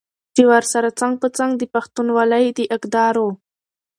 چې ورسره څنګ په څنګ د پښتونولۍ د اقدارو